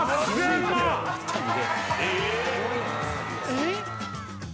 えっ！？